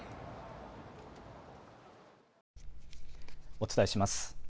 お伝えします。